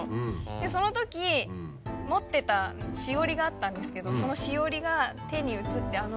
そのとき持ってたしおりがあったんですけどそのしおりが手に移ってあの。